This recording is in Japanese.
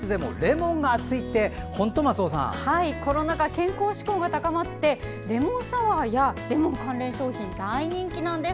コロナ禍健康志向が高まってレモンサワーやレモン関連商品大人気なんです。